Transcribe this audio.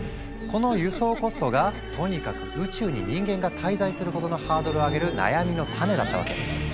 この輸送コストがとにかく宇宙に人間が滞在することのハードルを上げる悩みの種だったわけ。